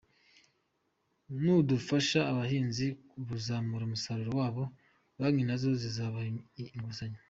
Ni dufasha abahinzi kuzamura umusaruro wabo, banki nazo zizabaha inguzanyo.